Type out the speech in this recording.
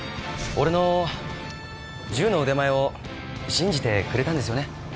俺の銃の腕前を信じてくれたんですよね。